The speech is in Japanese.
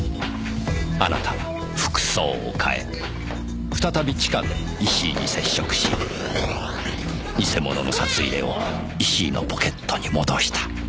あなたは服装を変え再び地下で石井に接触し偽物の札入れを石井のポケットに戻した。